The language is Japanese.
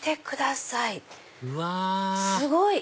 すごい！